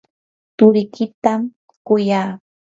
turikitam kuyaa.